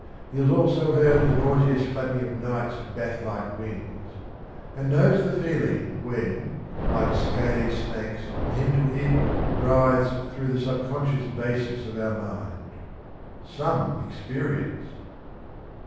He has also heard ' the nauseous flapping of Night's bat like wings,' and knows the feeling when ' like scaly snakes, the hymn to evil writhes through the sub conscious basis of our mind.' Some experience